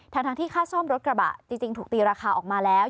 ทั้งที่ค่าซ่อมรถกระบะจริงถูกตีราคาออกมาแล้ว